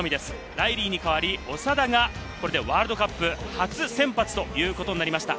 ライリーに代わり長田がワールドカップ初先発となりました。